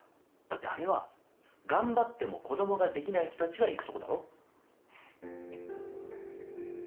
だってあれは頑張っても子供が出来ない人たちが行くとこだろ？ははっ。